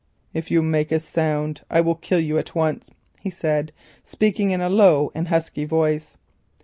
"If you make a sound I will kill you at once," he said, speaking in a low and husky voice.